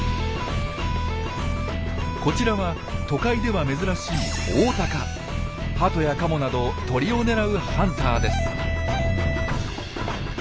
こちらは都会では珍しいハトやカモなど鳥を狙うハンターです。